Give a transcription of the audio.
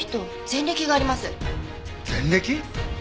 前歴？